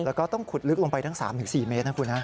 แล้วก็ต้องขุดลึกลงไปทั้ง๓๔เมตรนะคุณฮะ